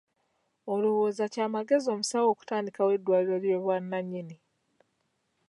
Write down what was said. Olowooza kya magezi omusawo okutandikawo eddwaliro ly'obwannannyini?